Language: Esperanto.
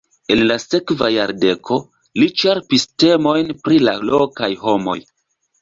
En la sekva jardeko li ĉerpis temojn pri la lokaj homoj.